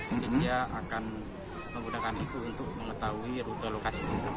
jadi dia akan menggunakan itu untuk mengetahui rute lokasi